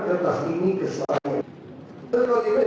saksi saya baca di berita